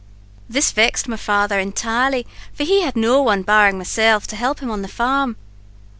This vexed my father intirely, for he had no one barring myself to help him on the farm.